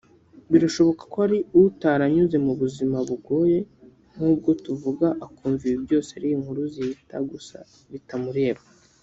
birashoboka ko hari utaranyuze mu buzima bugoye nkubwo tuvuga akumva ibi byose ari nk’inkuru zihita gusa bitamureba